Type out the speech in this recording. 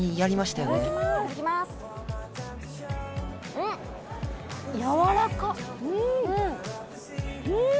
うんやわらかっうん！